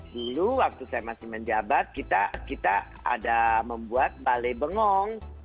dulu waktu saya masih menjabat kita ada membuat balai bengong